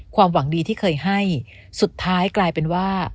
ความหวังดีที่เคยให้สุดท้ายกลายเป็นว่า